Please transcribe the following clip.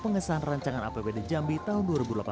pengesahan rancangan apbd jambi tahun dua ribu delapan belas